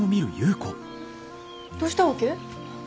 どうしたわけ？